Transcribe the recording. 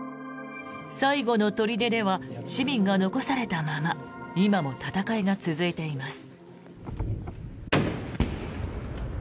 最後の砦では市民が残されたまま今も戦いが続いています。